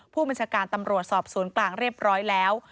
ผู้บัญชาการตำรวจสอบสวนกลางเรียบร้อยแล้ว